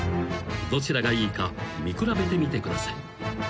どちらがいいか見比べてみてください］